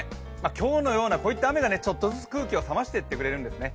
今日のようなこういった雨がちょっとずつ空気を冷ましていってくれるんですよね。